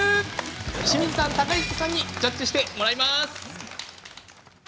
清水さん、高岸さんにジャッジしてもらいます。